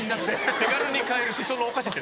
手軽に買えるシソのお菓子って。